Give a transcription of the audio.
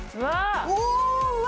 うわ！